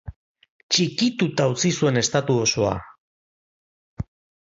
Txikituta utzi zuen estatu osoa.